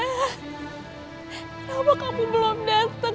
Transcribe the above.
kenapa kamu belum datang